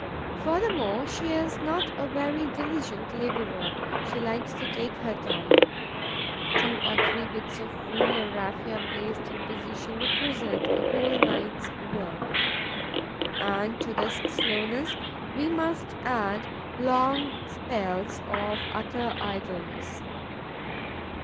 Furthermore, she is not a very diligent labourer; she likes to take her time. Two or three bits of wool or raphia placed in position represent a whole night's work. And to this slowness we must add long spells of utter idleness.